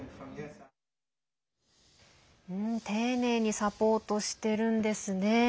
丁寧にサポートしてるんですね。